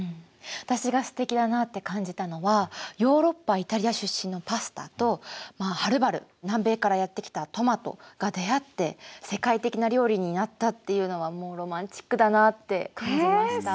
私がすてきだなって感じたのはヨーロッパ・イタリア出身のパスタとはるばる南米からやって来たトマトが出会って世界的な料理になったっていうのはもうロマンチックだなって感じました。